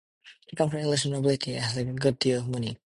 He comes from English nobility and has a good deal of money.